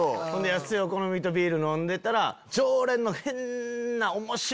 安いお好みとビール飲んでたら常連の。